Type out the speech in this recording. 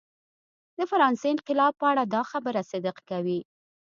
د فرانسې انقلاب په اړه دا خبره صدق کوي.